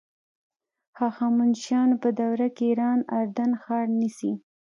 هخامنشیانو په دوره کې ایران اردن ښار نیسي.